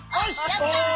やった！